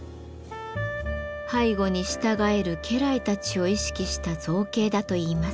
背後に従える家来たちを意識した造形だといいます。